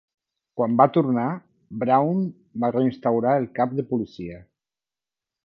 Quan va tornar, Brown va reinstaurar el cap de policia.